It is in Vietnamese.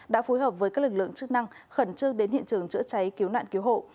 đã phối hợp với các lực lượng chức năng khẩn trương đến hiện trường chữa cháy cứu nạn cứu hộ